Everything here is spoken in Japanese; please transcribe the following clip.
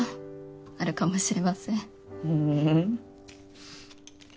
あるかもしれません。